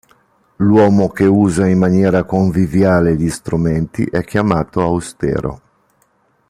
L'uomo che usa in maniera conviviale gli strumenti è chiamato austero.